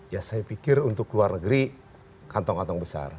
ya saya pikir untuk luar negeri kantong kantong besar